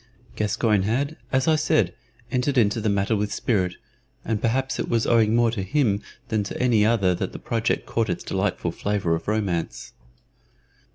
Gascoyne had, as I said, entered into the matter with spirit, and perhaps it was owing more to him than to any other that the project caught its delightful flavor of romance.